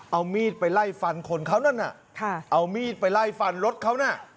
เอามีดไปไล่ฟันคนเขานั่นน่ะเอามีดไปไล่ฟันรถเขาน่ะ